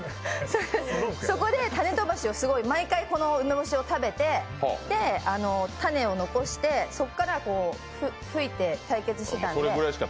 そこで種飛ばしを、毎回この梅干しを食べて種を残して、そこから吹いて対決していたので。